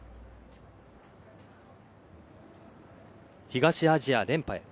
東アジア連覇へ。